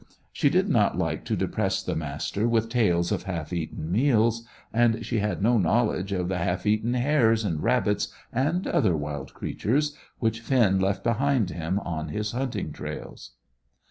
She did not like to depress the Master with tales of half eaten meals, and she had no knowledge of the half eaten hares and rabbits and other wild creatures which Finn left behind him on his hunting trails.